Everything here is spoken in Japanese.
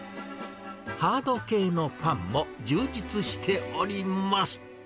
ハード系のパンも充実しております。